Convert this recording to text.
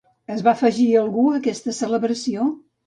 Es va afegir algú a aquesta celebració?